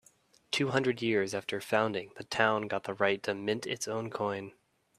Two hundred years after founding, the town got the right to mint its own coin.